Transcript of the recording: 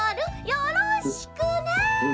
よろしくね」。